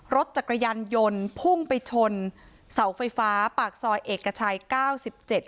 รถจักรยานยนต์พุ่งไปชนเสาไฟฟ้าปากซอยเอกชัยเก้าสิบเจ็ด